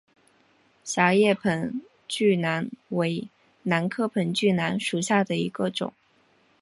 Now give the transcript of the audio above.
狭叶盆距兰为兰科盆距兰属下的一个种。